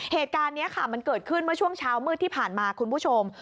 เหตุการณ์นี้ค่ะมันเกิดขึ้นเมื่อช่วงเช้ามืดที่ผ่านมาคุณผู้ชม